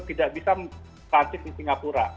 tidak bisa transit di singapura